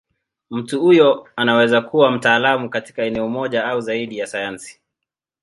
Mtu huyo anaweza kuwa mtaalamu katika eneo moja au zaidi ya sayansi.